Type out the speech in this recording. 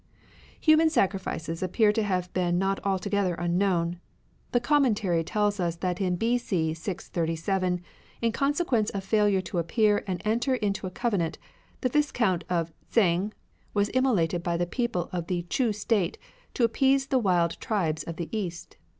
Human sacrifices appear to have Sees, been not altogether unknown. The Commentary tells us that in B.C. 637, in consequence of failure to appear and enter into a covenant, the Viscount of Tseng was immolated by the people of the Chu State, to appease the wild tribes of the east.